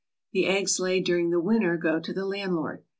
The eggs laid during the winter go to the landlord.